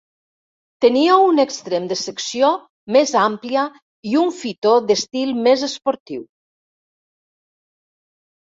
Tenia un extrem de secció més àmplia i un fitó d'estil més esportiu.